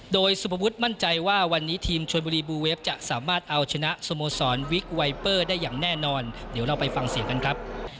เดี๋ยวเราไปฟังเสียงกันครับ